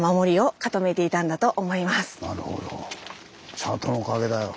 チャートのおかげだ。